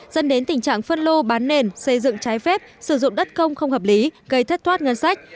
dẫn đến tình trạng phân lô bán nền xây dựng trái phép sử dụng đất công không hợp lý gây thất thoát ngân sách